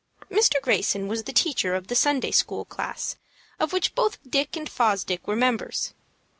Mr. Greyson was the teacher of the Sunday school class of which both Dick and Fosdick were members.